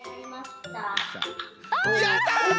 やった！